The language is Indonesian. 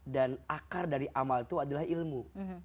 dan akar dari amal itu adalah ilmu